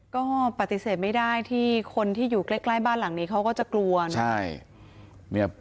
ก็ปฏิเสธไม่ได้ที่คนที่อยู่ใกล้บ้านหลังนี้เขาก็จะกลัวใช่